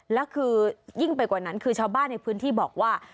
แล้วคือยิ่งไปกว่านั้นคือชาวบ้านในพื้นที่บอกว่า